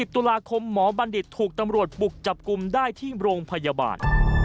ตุลาคมหมอบัณฑิตถูกตำรวจบุกจับกลุ่มได้ที่โรงพยาบาล